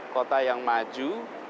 kota yang maju